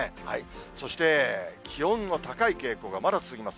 そして、気温の高い傾向がまだ続きます。